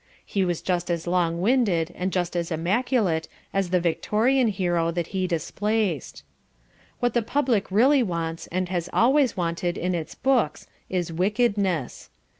He was just as Long winded and just as Immaculate as the Victorian Hero that he displaced. What the public really wants and has always wanted in its books is wickedness.